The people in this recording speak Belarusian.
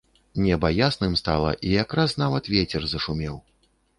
Неба ясным стала, і якраз нават вецер зашумеў.